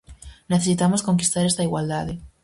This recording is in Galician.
Necesitamos conquistar esta igualdade.